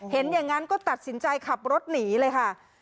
เห็นอย่างนั้นก็ตัดสินใจขับรถหนีเลยค่ะ